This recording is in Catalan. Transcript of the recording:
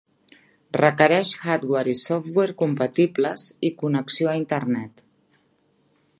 Requereix hardware i software compatibles i connexió a internet.